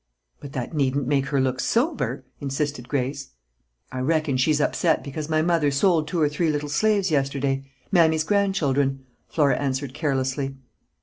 "But that needn't make her look sober!" insisted Grace. "I reckon she's upset because my mother sold two or three little slaves yesterday Mammy's grandchildren," Flora answered carelessly.